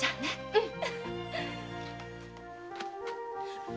うん。